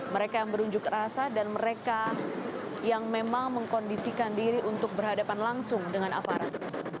mereka yang berunjuk rasa dan mereka yang memang mengkondisikan diri untuk berhadapan langsung dengan aparat